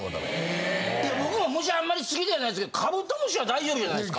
僕も虫あんまり好きじゃないですけどカブトムシは大丈夫じゃないですか？